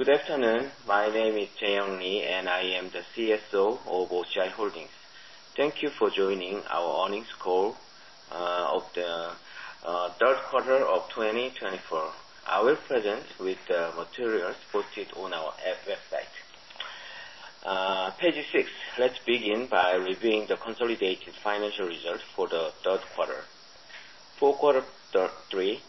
Good afternoon. My name is Jayong Lee, and I am the CSO of OCI Holdings. Thank you for joining our earnings call of the third quarter of 2024. I will present with the materials posted on our website. Page six, let's begin by reviewing the consolidated financial results for the third quarter. For quarter three,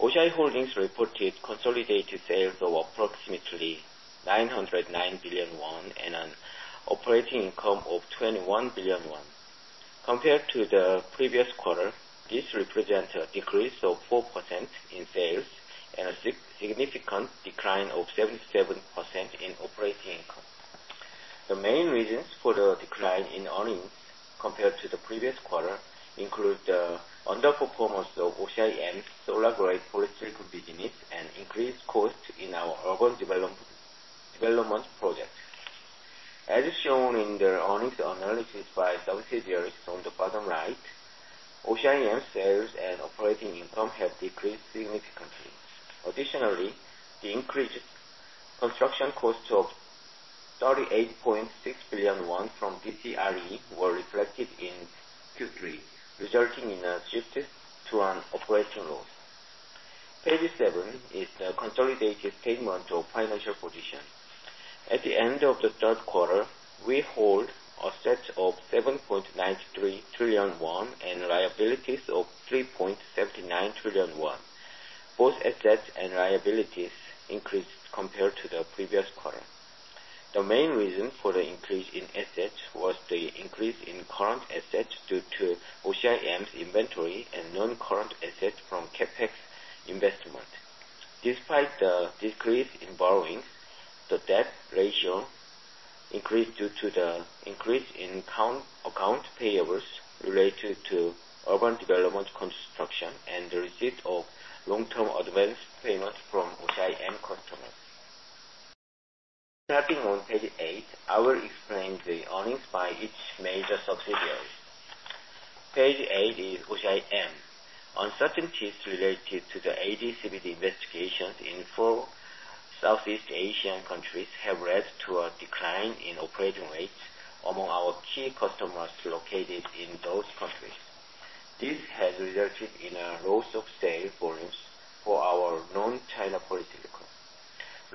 OCI Holdings reported consolidated sales of approximately 909 billion won and an operating income of 21 billion won. Compared to the previous quarter, this represents a decrease of 4% in sales and a significant decline of 77% in operating income. The main reasons for the decline in earnings compared to the previous quarter include the underperformance of OCIM's solar-grade polysilicon business and increased costs in our urban development project. As shown in the earnings analysis by subsidiaries on the bottom right, OCIM's sales and operating income have decreased significantly. Additionally, the increased construction costs of 38.6 billion won from DCRE were reflected in Q3, resulting in a shift to an operating loss. Page seven is the consolidated statement of financial position. At the end of the third quarter, we hold assets of 7.93 trillion won and liabilities of 3.79 trillion won. Both assets and liabilities increased compared to the previous quarter. The main reason for the increase in assets was the increase in current assets due to OCIM's inventory and non-current assets from CapEx investment. Despite the decrease in borrowing, the debt ratio increased due to the increase in account payables related to urban development construction and the receipt of long-term advance payments from OCIM customers. Stepping on page eight, I will explain the earnings by each major subsidiary. Page eight is OCIM. Uncertainties related to the AD/CVD investigations in four Southeast Asian countries have led to a decline in operating rates among our key customers located in those countries. This has resulted in a loss of sales volumes for our non-China polysilicon.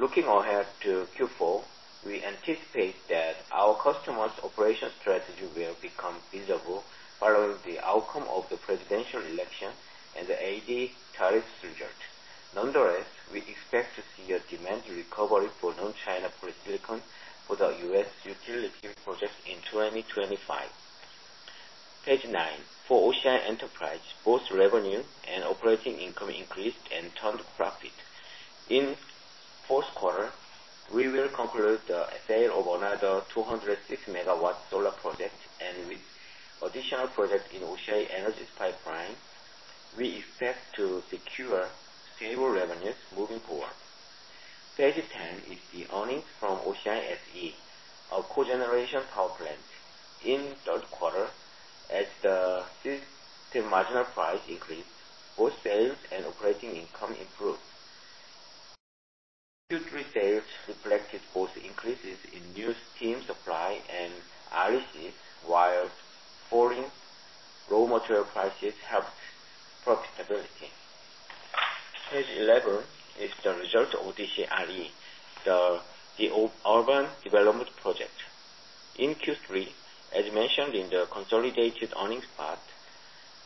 Looking ahead to Q4, we anticipate that our customers' operating strategy will become visible following the outcome of the presidential election and the AD/CVD tariffs result. Nonetheless, we expect to see a demand recovery for non-China polysilicon for the U.S. utility project in 2025. Page 9, for OCI Enterprises, both revenue and operating income increased and turned profit. In fourth quarter, we will conclude the sale of another 206-megawatt solar project, and with additional projects in OCI Energy's pipeline, we expect to secure stable revenues moving forward. Page 10 is the earnings from OCI SE, a cogeneration power plant. In third quarter, as the System Marginal Price increased, both sales and operating income improved. Q3 sales reflected both increases in new steam supply and RECs, while falling raw material prices helped profitability. Page 11 is the result of DCRE, the urban development project. In Q3, as mentioned in the consolidated earnings part,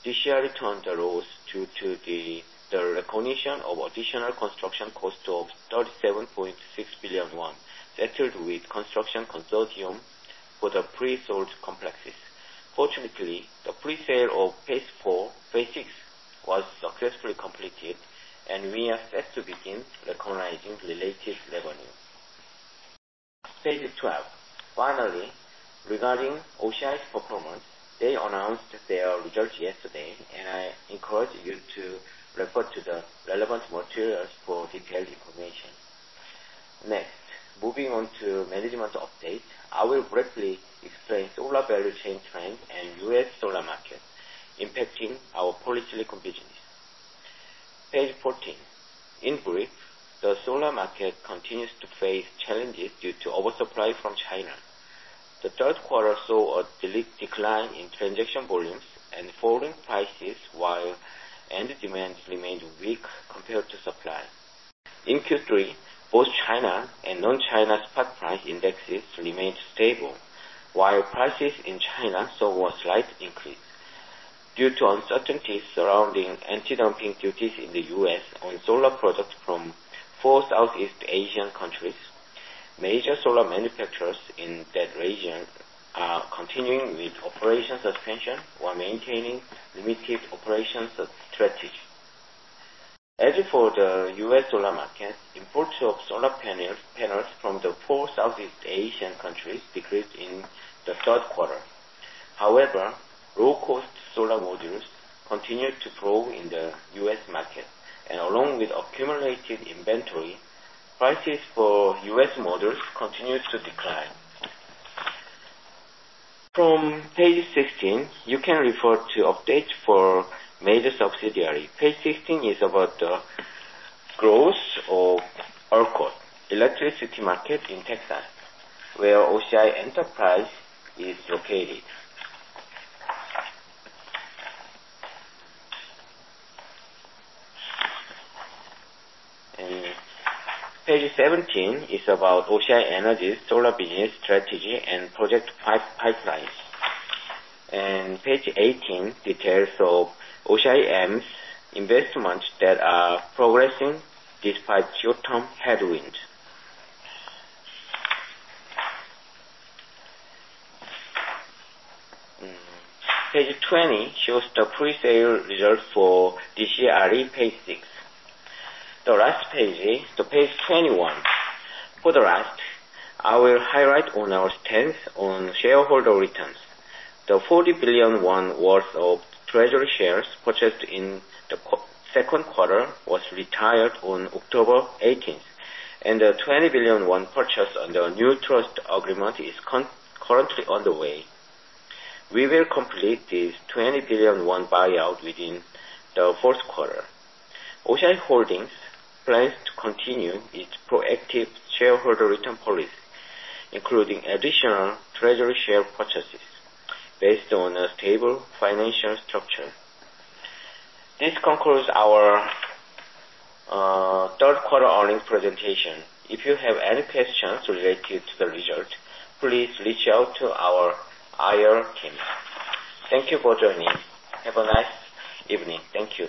DCRE turned the loss due to the recognition of additional construction cost of 37.6 billion won, settled with construction consortium for the pre-sold complexes. Fortunately, the pre-sale of phase IV, phase VI, was successfully completed, and we are set to begin recognizing related revenue. Page 12. Finally, regarding OCI's performance, they announced their results yesterday, and I encourage you to refer to the relevant materials for detailed information. Next, moving on to management update, I will briefly explain solar value chain trends and U.S. solar market impacting our polysilicon business. Page 14. In brief, the solar market continues to face challenges due to oversupply from China. The third quarter saw a decline in transaction volumes and falling prices, while end demand remained weak compared to supply. In Q3, both China and non-China spot price indexes remained stable, while prices in China saw a slight increase. Due to uncertainties surrounding anti-dumping duties in the U.S. on solar products from four Southeast Asian countries, major solar manufacturers in that region are continuing with operation suspension while maintaining limited operation strategy. As for the U.S. solar market, imports of solar panels from the four Southeast Asian countries decreased in the third quarter. However, low-cost solar modules continued to grow in the U.S. market, and along with accumulated inventory, prices for U.S. modules continued to decline. From page 16, you can refer to updates for major subsidiaries. Page 16 is about the growth of ERCOT, electricity market in Texas, where OCI Enterprise is located. Page 17 is about OCI Energy's solar business strategy and project pipelines. Page 18 details of OCIM's investments that are progressing despite short-term headwinds. Page 20 shows the pre-sale result for DCRE, page six. The last page, the page 21. For the last, I will highlight on our strengths on shareholder returns. The 40 billion won worth of treasury shares purchased in the second quarter was retired on October 18th, and the 20 billion won purchase under a new trust agreement is currently underway. We will complete this 20 billion won buyout within the fourth quarter. OCI Holdings plans to continue its proactive shareholder return policy, including additional treasury share purchases based on a stable financial structure. This concludes our third quarter earnings presentation. If you have any questions related to the result, please reach out to our IR team. Thank you for joining. Have a nice evening. Thank you.